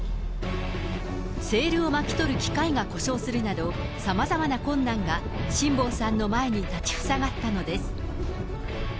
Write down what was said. セールを巻き取る機械が故障するなど、さまざまな困難が辛坊さんの前に立ち塞がったのです。